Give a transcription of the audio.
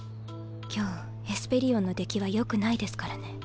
今日エスペリオンの出来はよくないですからね。